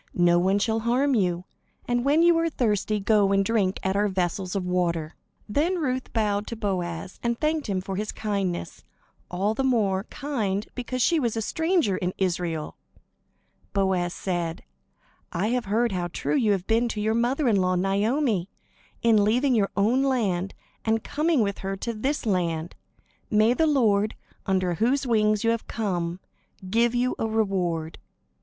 No one shall harm you; and when you are thirsty, go and drink at our vessels of water." [Illustration: Ruth went out into the fields to glean the grain] Then Ruth bowed to Boaz, and thanked him for his kindness, all the more kind because she was a stranger in Israel. Boaz said: "I have heard how true you have been to your mother in law Naomi, in leaving your own land and coming with her to this land. May the Lord, under whose wings you have come, give you a reward!"